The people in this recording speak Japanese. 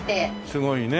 すごいね。